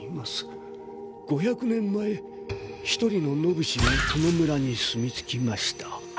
５００年前一人の野武士がこの村に住みつきました。